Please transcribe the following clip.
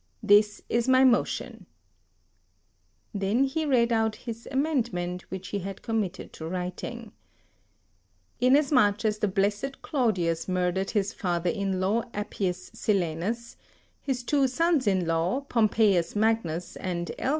This is my motion": then he read out his amendment, which he had committed to writing: "Inasmuch as the blessed Claudius murdered his father in law Appius Silanus, his two sons in law, Pompeius Magnus and L.